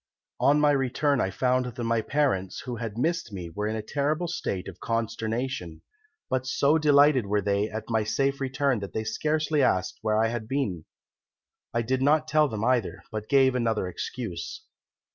On my return I found that my parents, who had missed me, were in a terrible state of consternation, but so delighted were they at my safe return that they scarcely asked where I had been. I did not tell them either, but gave another excuse.